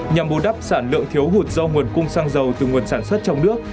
nhằm bù đắp sản lượng thiếu hụt do nguồn cung xăng dầu từ nguồn sản xuất trong nước